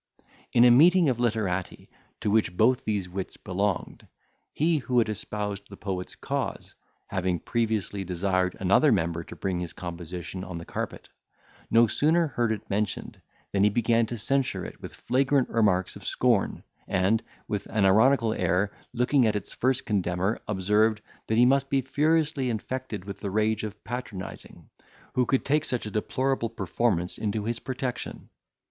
In a meeting of literati, to which both these wits belonged, he who had espoused the poet's cause, having previously desired another member to bring his composition on the carpet, no sooner heard it mentioned, than he began to censure it with flagrant marks of scorn, and, with an ironical air, looking at its first condemner, observed, that he must be furiously infected with the rage of patronising, who could take such a deplorable performance into his protection.